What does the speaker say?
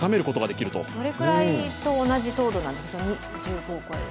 どれくらいと同じ糖度なんでしょう。